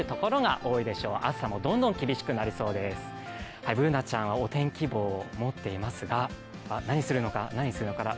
Ｂｏｏｎａちゃんはお天気棒を持っていますが何するのかな、何するのかな？